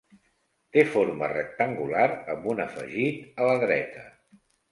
Té forma rectangular amb un afegit a la dreta.